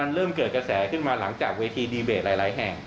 เริ่มเกิดกระแสขึ้นมาหลังจากเวทีดีเบตหลายแห่ง